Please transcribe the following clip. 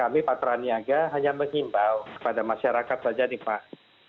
kami pak traniaga hanya mengimbau pada masyarakat saja nih pak